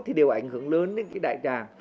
thì đều ảnh hưởng lớn đến đại tràng